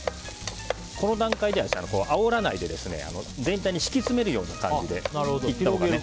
この段階ではあおらないで全体に敷き詰めるような感じで。